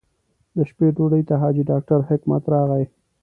د شپې ډوډۍ ته حاجي ډاکټر حکمت راغی.